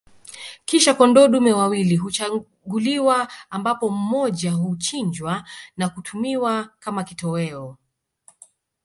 Kisha kondoo dume wawili huchaguliwa ambapo mmoja huchinjwa na kutumiwa kama kitoweo